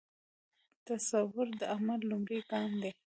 تصور د عمل لومړی ګام دی.